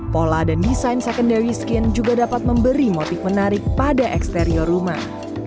pola dan desain secondary skin juga dapat memberi motif menarik pada eksterior rumah